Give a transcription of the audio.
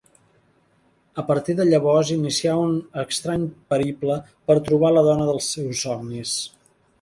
A partir de llavors inicia un estrany periple per trobar la dona dels seus somnis.